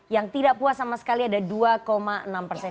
yang tidak puas sama sekali ada dua enam persen